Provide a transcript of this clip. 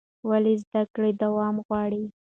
ولې زده کړه دوام غواړي؟